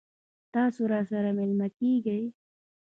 تاسو راسره میلمه کیږئ؟